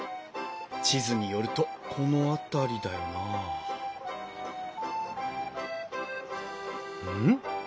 地図によるとこの辺りだよなうん？